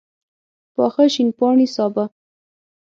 پاخه شین پاڼي سابه